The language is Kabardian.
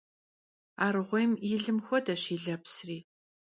Arğuêym yi lım xuedeş yi lepsri.